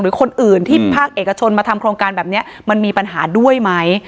คนอื่นที่ภาคเอกชนมาทำโครงการแบบนี้มันมีปัญหาด้วยไหม